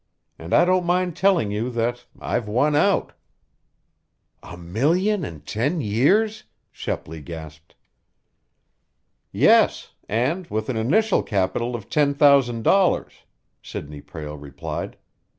And I don't mind telling you that I've won out." "A million in ten years," Shepley gasped. "Yes; and with an initial capital of ten thousand dollars," Sidney Prale replied.